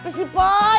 kenapa sih poi